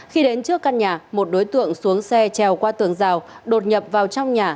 khi đến trước căn nhà một đối tượng xuống xe trèo qua tường rào đột nhập vào trong nhà